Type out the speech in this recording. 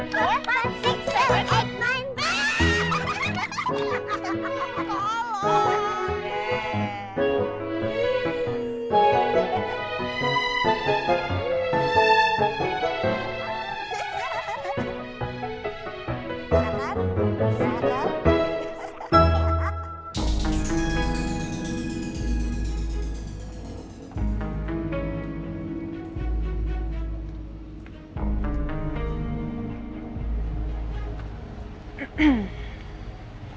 conseguir di digoreng dengan jauh